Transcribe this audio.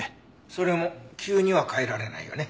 それも急には変えられないよね。